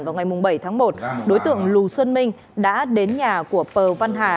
vào ngày bảy tháng một đối tượng lù xuân minh đã đến nhà của pờ văn hà